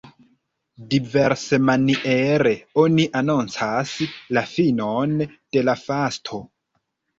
Diversmaniere oni anoncas la finon de la fasto.